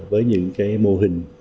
với những mô hình